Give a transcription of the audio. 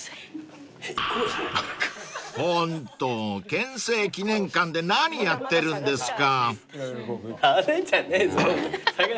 ［ホント憲政記念館で何やってるんですか］